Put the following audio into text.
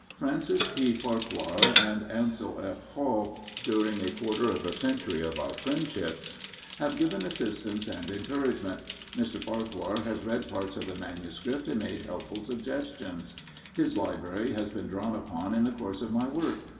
Francis P. Farquhar and Ansel F. Hall, during a quarter of a century of our friendships, have given assistance and encouragement. Mr. Farquhar has read parts of the manuscript and made helpful suggestions. His library has been drawn upon in the course of my work.